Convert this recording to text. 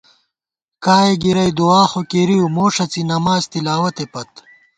کائےگِرَئی دُعا خو کېرِؤ مو ݭَڅی نماڅ تِلاوتے پت